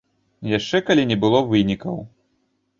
Яшчэ калі не было вынікаў.